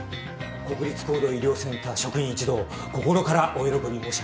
国立高度医療センター職員一同心からお喜び申し上げます。